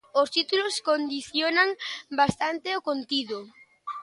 Os títulos condicionan bastante o contido.